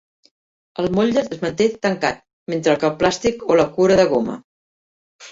El motlle es manté tancat, mentre que el plàstic o la cura de goma.